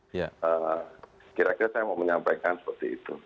kira kira saya mau menyampaikan seperti itu